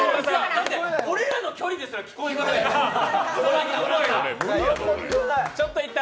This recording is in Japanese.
だって俺らの距離ですら聞こえなかった。